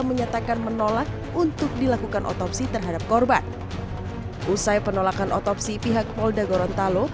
menyatakan menolak untuk dilakukan otopsi terhadap korban usai penolakan otopsi pihak polda gorontalo